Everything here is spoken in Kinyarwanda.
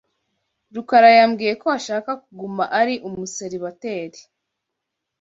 Rukara yambwiye ko ashaka kuguma ari umuseribateri.